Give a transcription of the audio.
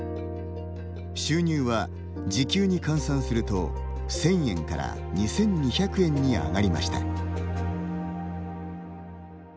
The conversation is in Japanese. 収入は、時給に換算すると１０００円から２２００円に上がりました。